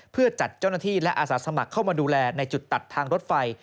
เพื่อจัดเจ้าหน้าที่และอาสาสมัครเข้ามาดูแลในจุดตัดทางรถไฟ